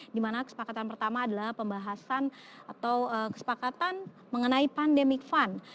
dimana kesepakatan pertama adalah pembahasan atau kesepakatan mengenai pandemic fund